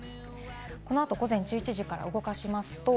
この後、午前１１時から動かします。